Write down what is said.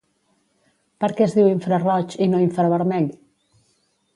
Per què es diu infraroig i no infravermell?